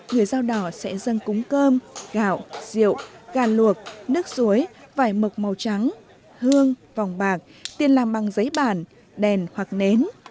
người dao đỏ sẽ dâng cúng cơm gạo rượu gà luộc nước suối vải mực màu trắng hương vòng bạc tiền làm bằng giấy bản đèn hoặc nến